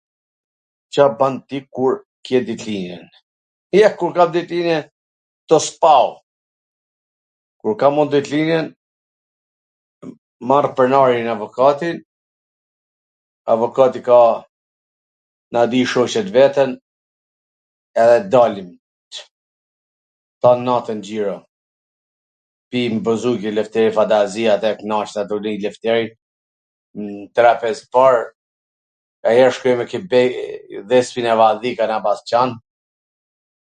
Ca ban ti kur ke ditlindjen? Ja, kur kam ditlindjen, to spao [το σπάω], kur kam un ditlindjen, matrr pronarin avokatin, avokati ka na di shoqe t vetwn edhe dalim tan natwn xhiro. Pim buzuqi Lefteri Pantazi ato knaqemi n trapez t par, nganjher shkojm te Dhespina Vandhi kena pas qan.